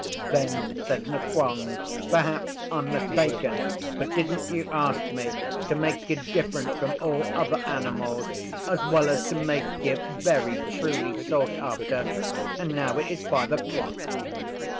Then said Nqong, 'Perhaps I'm mistaken, but didn't you ask me to make you different from all other animals, as well as to make you very truly sought after? And now it is five o'clock.